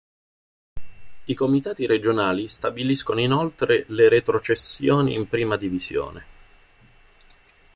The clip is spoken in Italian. I Comitati Regionali stabiliscono inoltre le retrocessioni in Prima Divisione.